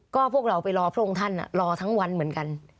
ก็พวกเราไปรอพระองค์ท่านรอทั้งวันเหมือนกัน